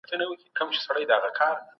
زرین انځور نومیالی لیکوال دی.